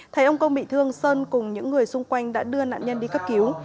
thấy ông công bị thương sơn cùng những người xung quanh đã đưa nạn nhân đi cấp cứu